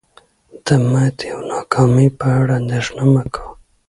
د ماتې او ناکامۍ په اړه اندیښنه مه کوه.